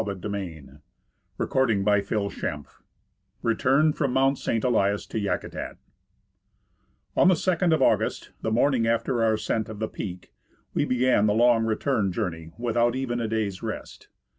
l6[ M CHAPTER IX Return from Mount St. Elias to Yakutat O jN the 2nd of August, the morning after our ascent of the peak, we began the long return journey without even a day's rest.